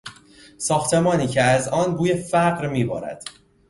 ساختمانی که از آن بوی فقر میبارد